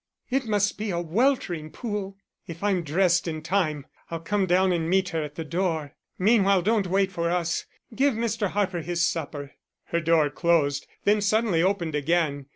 It must be a weltering pool. If I'm dressed in time I'll come down and meet her at the door. Meanwhile don't wait for us; give Mr. Harper his supper." Her door closed, then suddenly opened again.